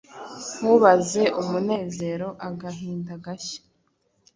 Ntubaze umunezeroAgahinda gashya